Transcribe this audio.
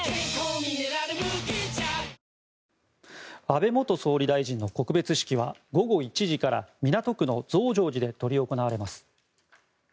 安倍元総理大臣の告別式は午後１時から港区の増上寺で執り行われます。